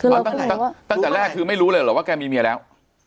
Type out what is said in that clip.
คือเราก็รู้ว่าตั้งแต่แรกคือไม่รู้เลยหรือว่าแกมีเมียแล้ว